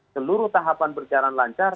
seluruh tahapan berjalan lancar